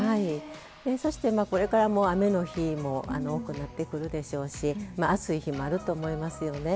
そしてこれからも雨の日も多くなってくるでしょうし暑い日もあると思いますよね。